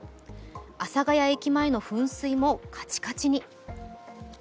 阿佐ケ谷駅前の噴水もカチカチに。